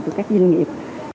của các doanh nghiệp